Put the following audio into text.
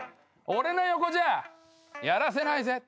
俺の横じゃやらせないぜ。